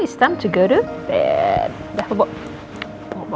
sekarang saatnya ke tempat tidur